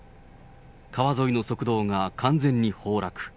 川沿いの側道が完全に崩落。